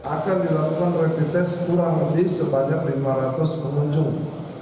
akan dilakukan rapid test kurang lebih sebanyak lima ratus pengunjung